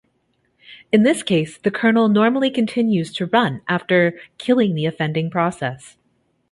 In this case, the kernel normally continues to run after killing the offending process.